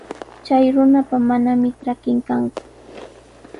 Chay runapa manami trakin kanku.